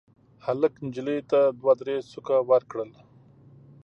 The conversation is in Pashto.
هلک نجلۍ ته دوه درې سوکه ورکړل.